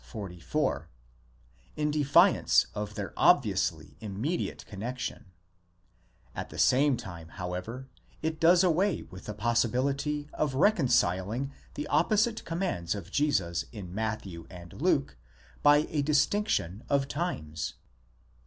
44, in defiance of their obviously immediate connexion ; at the same time, however, it does away with the possibility of reconciling the opposite commands of Jesus in Matthew and Luke by a distinction of times.